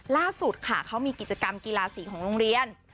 ล่าสุดค่ะเขามีกิจกรรมกีฬาสีของโรงเรียน